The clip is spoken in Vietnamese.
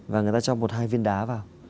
và người ta cho một hai viên đá vào